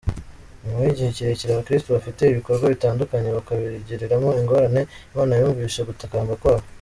Nyuma y’igihe kirekire abakristo bafite ibikorwa bitandukanye bakabigiriramo ingorane, Imana yumvise gutakamba kwabo.